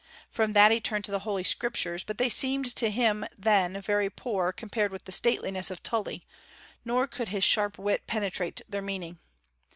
From that he turned to the Holy Scriptures, but they seemed to him then very poor, compared with the stateliness of Tully, nor could his sharp wit penetrate their meaning.